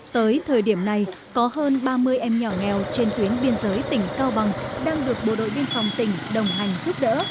tới thời điểm này có hơn ba mươi em nhỏ nghèo trên tuyến biên giới tỉnh cao bằng đang được bộ đội biên phòng tỉnh đồng hành giúp đỡ